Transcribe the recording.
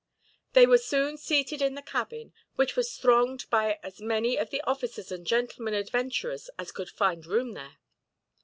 They were soon seated in the cabin, which was thronged by as many of the officers and gentlemen adventurers as could find room there.